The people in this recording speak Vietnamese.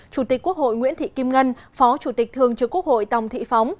chủ tịch quốc hội nguyễn thị kim ngân phó chủ tịch thường trực quốc hội tòng thị phóng